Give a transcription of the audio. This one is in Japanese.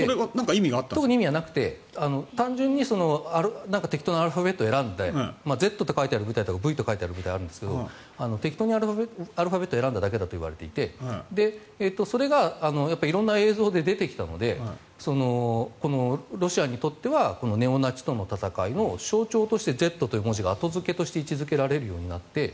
意味はなくて単純にアルファベットを１つ選んで「Ｚ」って書いてあったり「Ｖ」と書いてある部隊もあるんですが適当にアルファベットを選んだだけだといわれていてそれが色んな映像で出てきたのでロシアにとってはネオナチとの戦いの象徴としてＺという文字が後付けで意味付けられるようになって。